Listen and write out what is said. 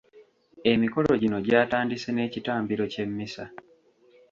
Emikolo gino gyatandise n’ekitambiro ky’emmisa.